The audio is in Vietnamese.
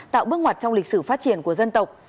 tạo bước ngoặt trong lịch sử phát triển của dân tộc